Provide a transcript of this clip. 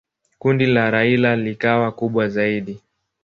Kundi la Raila likawa kubwa zaidi.